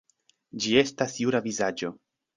Ĝi estas jura vizaĝo.